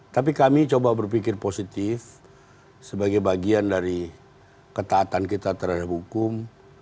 tapi kami coba berpikir positif sebagai bagian dari ketaatan kita terhadap hukum